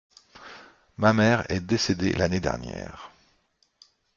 Ma mère est décédée l’année dernière.